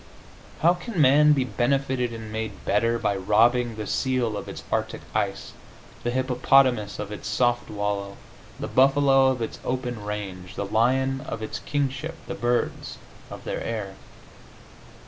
How can man be benefitted and made better by robbing the seal of its arctic ice, the hippopotamus of its soft wallow, the buffalo of its open range, the lion of its kingship, the birds of their air?